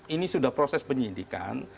ini sudah proses penyidikan